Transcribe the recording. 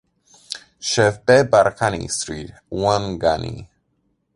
Chef Be - Barakani Street, Ouangani